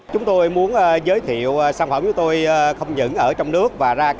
chúng tôi muốn giới thiệu sản phẩm của tôi không những ở trong nước